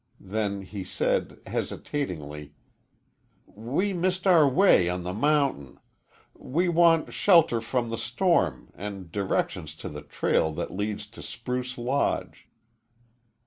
Then he said, hesitatingly: "We missed our way on the mountain. We want shelter from the storm and directions to the trail that leads to Spruce Lodge."